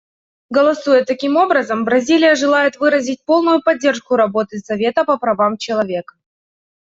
Голосуя таким образом, Бразилия желает выразить полную поддержку работы Совета по правам человека.